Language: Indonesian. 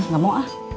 gak mau ah